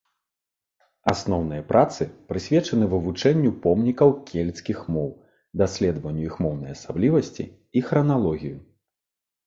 Асноўныя працы прысвечаны вывучэнню помнікаў кельцкіх моў, даследаванню іх моўныя асаблівасці і храналогію.